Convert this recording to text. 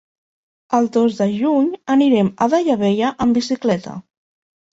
El dos de juny anirem a Daia Vella amb bicicleta.